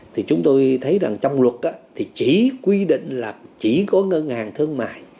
thì chúng tôi thấy rằng trong luật thì chỉ quy định là chỉ có ngân hàng thương mại